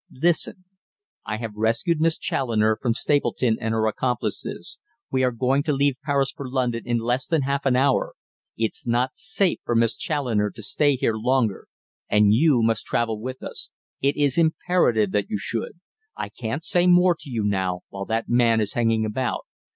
Listen. I have rescued Miss Challoner from Stapleton and her accomplices. We are going to leave Paris for London in less than half an hour; it's not safe for Miss Challoner to stay here longer. And you must travel with us. It is imperative that you should. I can't say more to you now, while that man is hanging about.